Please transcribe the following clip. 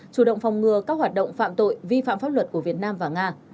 chủ động phòng ngừa các hoạt động phạm tội vi phạm pháp luật của việt nam và nga